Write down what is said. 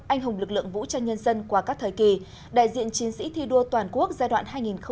anh hùng lực lượng vũ trang nhân dân qua các thời kỳ đại diện chiến sĩ thi đua toàn quốc giai đoạn hai nghìn một mươi sáu hai nghìn hai mươi